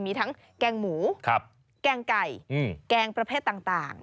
มีทั้งแกงหมูแกงไก่แกงประเภทต่าง